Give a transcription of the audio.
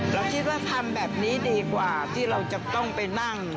เราคิดว่าทำแบบนี้ดีกว่าที่เราจะต้องไปนั่ง